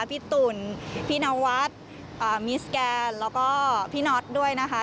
พี่ตุ๋นพี่นวัดมิสแกนแล้วก็พี่น็อตด้วยนะคะ